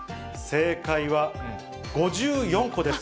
正解は、５４個です。